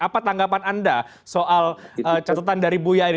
apa tanggapan anda soal catatan dari buya ini